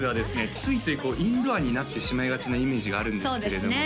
ついついこうインドアになってしまいがちなイメージがあるんですけれどもね